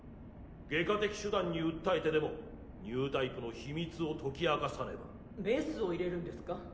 外科的手段に訴えてでもニュータイプの秘密を解き明かさねばメスを入れるんですか？